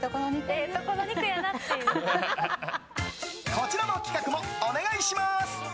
こちらの企画もお願いします。